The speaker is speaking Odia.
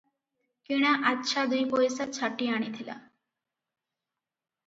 କିଣା ଆଚ୍ଛା ଦୁଇପଇସା ଛାଟି ଆଣିଥିଲା ।